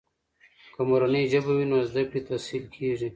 که مورنۍ ژبه وي، نو زده کړې تسهیل کیږي.